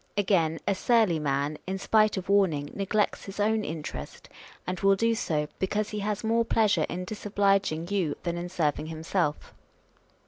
Again, a surly man, in spite of wrarning, neglects his own interest, and will do so, because he has more pleasure in dis obliging you than in serving himself.